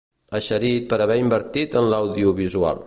Eixerit per haver invertit en l'audiovisual.